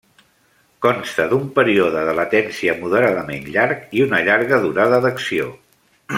Consta d'un període de latència moderadament llarg i una llarga durada d'acció.